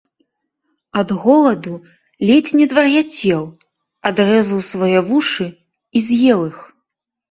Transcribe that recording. Ад голаду ледзь не звар’яцеў, адрэзаў свае вушы і з’еў іх